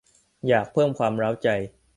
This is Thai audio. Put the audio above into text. หากอยากเพิ่มความเร้าใจ